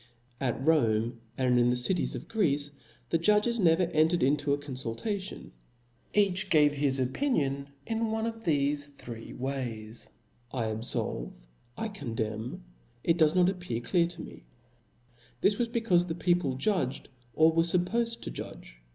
At Rome, and in thecitieS; of Greece, the judges never entered into a conful tation ; each gave his opinion one of thefe three ways, labfolve^ I condemn^ it does not appear cUar t'd me *: this was becaufe the people judged, or were fuppofed to judge.